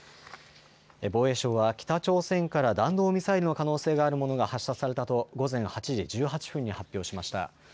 防衛省は北朝鮮から弾道ミサイルの可能性があるものが発射されたと午前８時１８分に発表しました。